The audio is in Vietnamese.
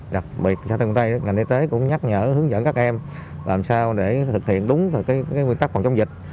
đặc biệt xã tân quy tây ngành y tế cũng nhắc nhở hướng dẫn các em làm sao để thực hiện đúng cái nguyên tắc phòng chống dịch